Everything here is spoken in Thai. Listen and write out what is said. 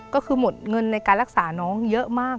ก็คือหมดเงินในการรักษาน้องเยอะมาก